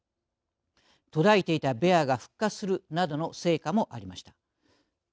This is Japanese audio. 途絶えていたベアが復活するなどの成果もありました。